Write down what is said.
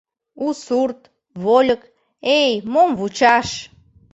У сурт, вольык... эй, мом вучаш!..